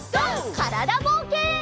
からだぼうけん。